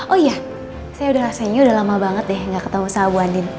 oh iya saya udah rasanya udah lama banget deh gak ketemu sama bu andin